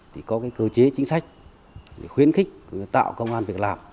thì có cái cơ chế chính sách để khuyến khích tạo công an việc làm